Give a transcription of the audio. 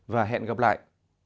và hẹn gặp lại